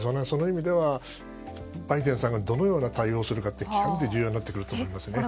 その意味では、バイデンさんがどのような対応をするか極めて重要になってくると思います。